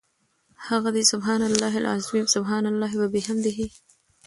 هغه دي سُبْحَانَ اللَّهِ العَظِيمِ، سُبْحَانَ اللَّهِ وَبِحَمْدِهِ .